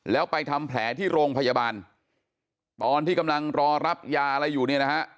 แล้วไปทำแผลที่โรงพยาบาลตอนที่กำลังรอรับยาอะไรอยู่เนี่ยนะฮะ